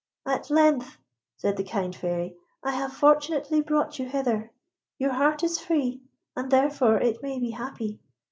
"At length," said the kind Fairy, "I have fortunately brought you hither. Your heart is free, and therefore it may be happy.